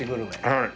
はい。